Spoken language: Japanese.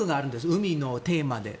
海のテーマで。